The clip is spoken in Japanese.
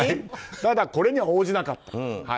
ただ、これには応じなかった。